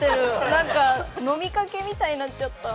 なんか飲みかけみたいになっちゃった。